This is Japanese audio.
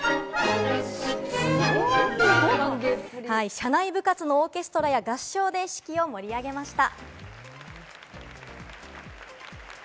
社内部活のオーケストラや合唱で式を盛り上げました。